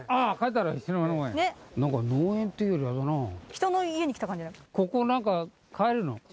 人の家に来た感じ。